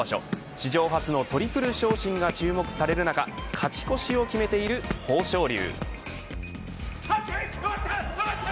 史上初のトリプル昇進が注目される中勝ち越しを決めている豊昇龍。